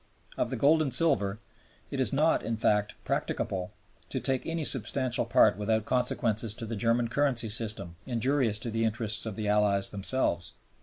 Of the gold and silver, it is not, in fact, practicable to take any substantial part without consequences to the German currency system injurious to the interests of the Allies themselves.